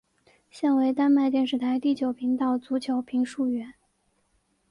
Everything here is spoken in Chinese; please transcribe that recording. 现为丹麦电视台第九频道足球评述员。